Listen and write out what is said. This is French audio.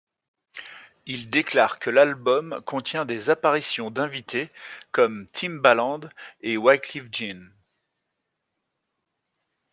Il déclare que l'album contient des apparitions d'invités comme Timbaland et Wyclef Jean.